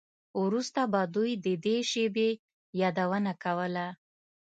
وروسته به دوی د دې شیبې یادونه کوله